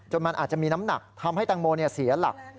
มันอาจจะมีน้ำหนักทำให้แตงโมเสียหลัก